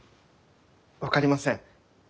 分かりません。